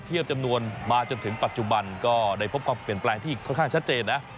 จำนวนมาจนถึงปัจจุบันก็ได้พบความเปลี่ยนแปลงที่ค่อนข้างชัดเจนนะ